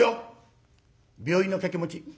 病院の掛け持ち。